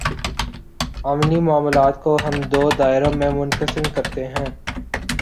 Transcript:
عملی معاملات کو ہم دو دائروں میں منقسم کرتے ہیں۔